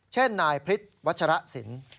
เช่นนายพฤษวัชรสิน